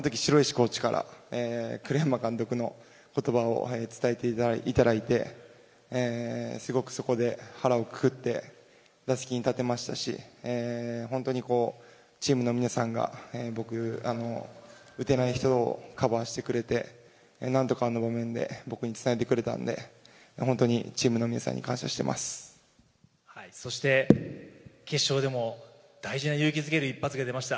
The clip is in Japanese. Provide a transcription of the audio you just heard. コーチから栗山監督のことばを伝えていただいて、すごくそこで腹をくくって打席に立てましたし、本当にチームの皆さんが僕、打てない人をカバーしてくれて、なんとか、あの場面で伝えてくれたんで、本当にチームの皆さんに感謝してまそして、決勝でも大事な勇気づける一発が出ました。